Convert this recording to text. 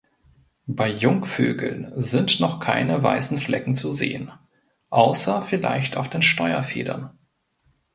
Bei Jungvögeln sind noch keine weißen Flecken zu sehen außer vielleicht auf den Steuerfedern.